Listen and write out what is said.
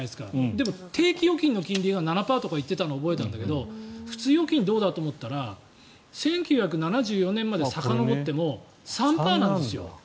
でも定期預金の金利が７％とか言ってたのは覚えてたんだけど普通預金はどうだと思ったら１９７４年までさかのぼっても３％なんですよ。